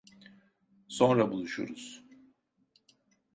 Sonra buluşuruz.